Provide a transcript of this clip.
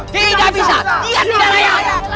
tidak bisa dia tidak layak